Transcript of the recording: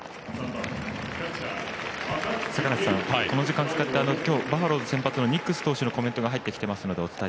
坂梨さん、この時間を使って今日、バファローズ先発のニックス投手のコメントが入りました。